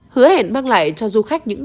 hứa hẹn mang lại cho du khách những